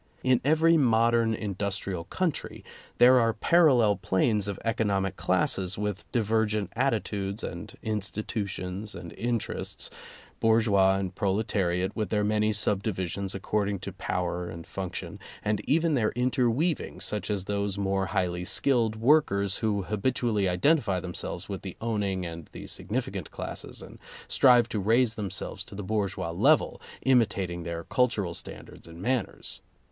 In every modern industrial country, there are parallel planes of economic classes with divergent attitudes and institutions and interests — bourgeois and proletariat, with their many subdivisions ac cording to power and function, and even their interweaving, such as those more highly skilled workers who habitually identify themselves with the owning and the significant classes and strive to raise themselves to the bourgeois level, imitat ing their cultural standards and manners.